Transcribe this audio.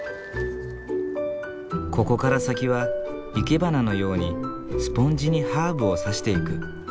ここから先は生け花のようにスポンジにハーブを挿していく。